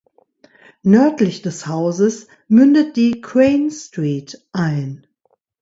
Nördlich des Hauses mündet die Crane Street ein.